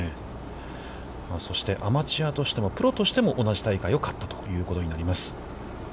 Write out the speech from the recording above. そして、アマチュアとしても、プロとしても同じ大会を勝ったということになります。